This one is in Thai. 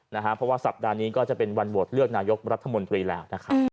เพราะว่าสัปดาห์นี้ก็จะเป็นวันโหวตเลือกนายกรัฐมนตรีแล้วนะครับ